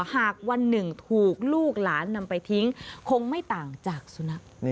หากวันหนึ่งถูกลูกหลานนำไปทิ้งคงไม่ต่างจากสุนัข